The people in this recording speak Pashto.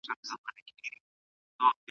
بچي یې په ټیټو ښاخونو کې ټوپونه وهل.